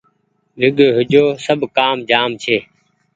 ويگي هو جو سب ڪآم جآم ڇي